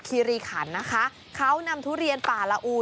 คีรีขันนะคะเขานำทุเรียนป่าละอู